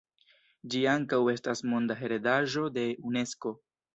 Ĝi ankaŭ estas Monda heredaĵo de Unesko.